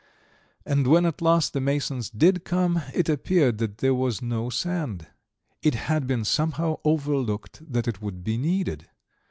And when at last the masons did come, it appeared that there was no sand; it had been somehow overlooked that it would be needed.